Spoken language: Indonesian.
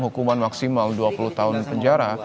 hukuman maksimal dua puluh tahun penjara